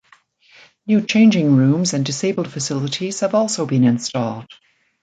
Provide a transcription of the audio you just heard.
New changing rooms and disabled facilities have also been installed.